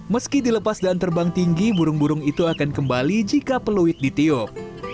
meski dilepas dan terbang tinggi burung burung itu akan kembali jika peluit ditiup